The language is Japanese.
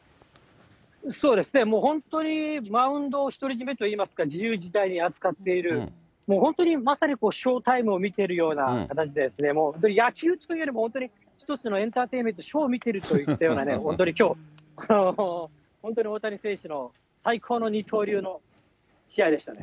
そうですね、もう本当にマウンドを独り占めといいますか、自由自在に扱っている、本当にまさにこう、ショータイムを見てるような形で、もう本当に野球というよりも、本当に一つのエンターテインメント、ショーを見てるといったようなね、本当にきょう、本当に大谷選手の最高の二刀流の試合でしたね。